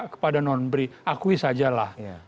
kepada non bri akui sajalah